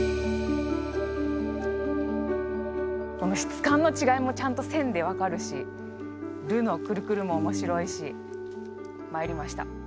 この質感の違いもちゃんと線で分かるし「ル」のクルクルも面白いしまいりました。